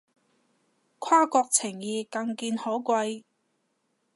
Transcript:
跨國情誼更見可貴